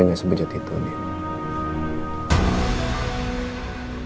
gak sebejat itu din